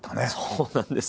そうなんです。